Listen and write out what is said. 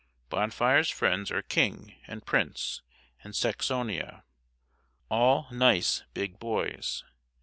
Bonfire's friends are King, and Prince, and Saxonia, all nice big boys.